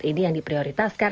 ini yang diprioritasi